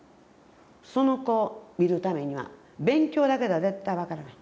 その子を見るためには勉強だけでは絶対分からない。